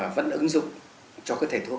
vẫn ứng dụng cho cái thể thuốc